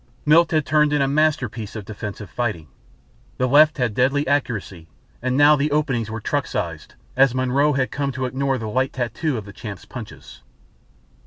Milt had turned in a masterpiece of defensive fighting. The left had deadly accuracy and now the openings were truck sized as Monroe had come to ignore the light tattoo of the Champ's punches.